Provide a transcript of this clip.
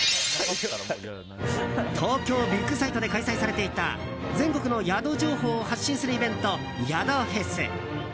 東京ビッグサイトで開催されていた全国の宿情報を発信するイベント宿フェス。